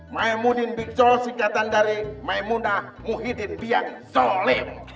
maemudin bikcol singkatan dari maemunah muhyiddin bian zolib